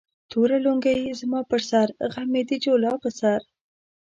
توره لنگۍ زما پر سر ، غم يې د جولا پر سر